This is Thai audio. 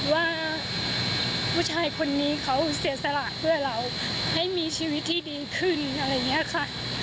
ว่าผู้ชายคนนี้เขาเสียสละเพื่อเราให้มีชีวิตที่ดีขึ้นอะไรอย่างนี้ค่ะ